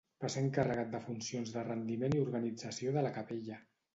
Va ser encarregat de funcions de rendiment i organització de la capella.